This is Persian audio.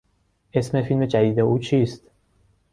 اسم فیلم جدید او چیست؟